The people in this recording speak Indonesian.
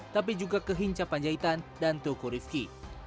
tapi juga kehincapan jahitan dan toko rifki